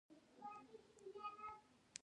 ستونزې حل کول مهارت دی